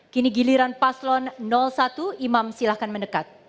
kini giliran paslon satu imam silahkan mendekat